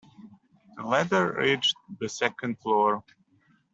The ladder reached the second floor.